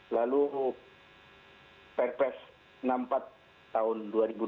lalu perpres enam puluh empat tahun dua ribu dua puluh